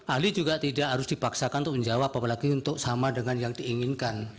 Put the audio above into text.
ahli juga tidak harus dipaksakan untuk menjawab apalagi untuk sama dengan yang diinginkan